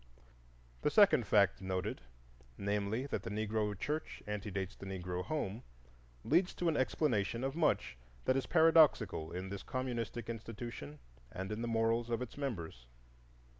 The second fact noted, namely, that the Negro church antedates the Negro home, leads to an explanation of much that is paradoxical in this communistic institution and in the morals of its members.